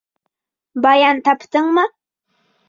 Баян таптыңмы?